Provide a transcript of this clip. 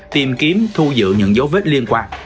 tìm kiếm thu dự những dấu vết liên quan